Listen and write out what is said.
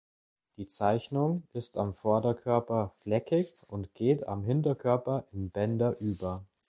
Die Zeichnung ist am Vorderkörper fleckig und geht am Hinterkörper in Bänder über.